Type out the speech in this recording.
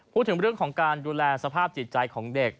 พูดถึงเรื่องของการดูแลสภาพจิตใจของเด็ก